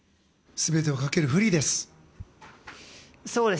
全てをかけるフリーです。